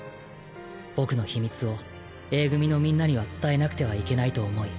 僕の秘密をＡ組のみんなには伝えなくてはいけないと思い